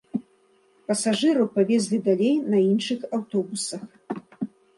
Пасажыраў павезлі далей на іншых аўтобусах.